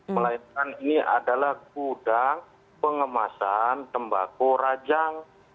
melainkan ini adalah gudang pengemasan tembako rajang